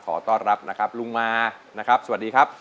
ขอต้อนรับนะครับลุงมานะครับสวัสดีครับ